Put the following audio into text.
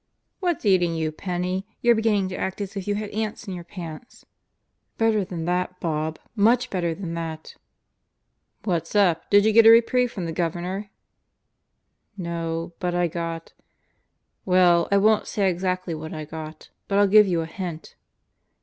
" "What's eating you, Penney. You're beginning to act as if you had ants in your pants." "Better than that, Bob. Much better than that!" "What's up? Did you get a reprieve from the Governor?" "No, but I got ... Well, I won't say exactly what I got; but I'll give you a hint.